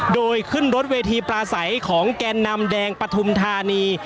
โดยขึ้นรถเวทีปลาใสของแกนนำแดงปฐุมธานี